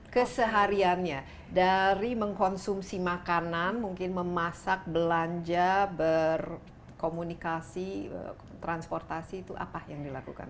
kesehariannya dari mengkonsumsi makanan mungkin memasak belanja berkomunikasi transportasi itu apa yang dilakukan